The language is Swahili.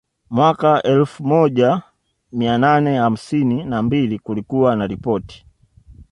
Mwaka wa elfu moja mia nane hamsini na mbili kulikuwa na ripoti